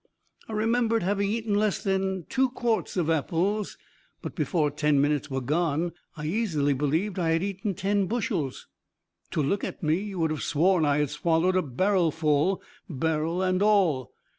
I remembered having eaten less than two quarts of apples, but before ten minutes were gone I easily believed I had eaten ten bushel. To look at me you would have sworn I had swallowed a barrelful, barrel and all.